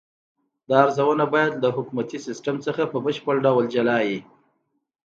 دا روزنه باید له حکومتي سیستم څخه په بشپړ ډول جلا وي.